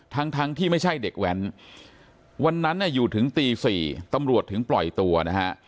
ทั้งทั้งที่ไม่ใช่เด็กแว้นวันนั้นอยู่ถึงตี๔ตำรวจถึงปล่อยตัวนะฮะ